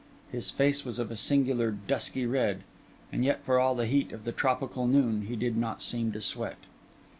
His face was of a singular dusky red; and yet for all the heat of the tropical noon, he did not seem to sweat.